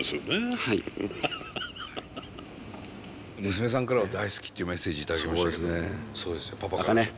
娘さんからは大好きっていうメッセージ頂きましたけどパパからは。